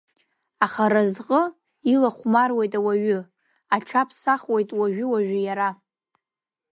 Аха аразҟы илахәмаруеит ауаҩы, аҽаԥсахуеит уажәы-уажәы иара.